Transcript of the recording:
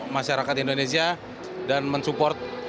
masyarakat indonesia dan mensupport